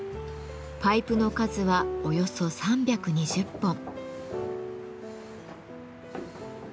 パイプの数はおよそ３２０本。